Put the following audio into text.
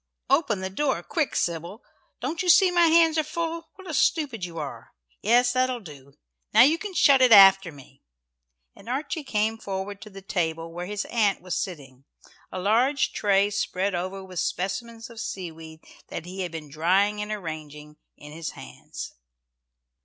"Open the door, quick, Sybil. Don't you see my hands are full? What a stupid you are! Yes, that'll do. Now you can shut it after me." And Archie came forward to the table where his aunt was sitting, a large tray spread over with specimens of seaweed that he had been drying and arranging, in his hands.